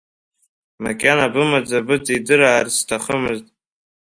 Макьана бымаӡа быҵидыраарц сҭахымызт.